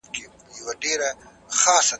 جوناس هانوې د فارس د انقلابونو تاریخ ولیکی.